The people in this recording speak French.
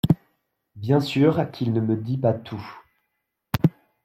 Bien sûr qu’il ne me dit pas tout!